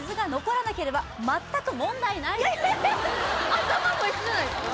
頭も一緒じゃないですか？